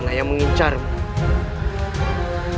saya akan memperoleh diri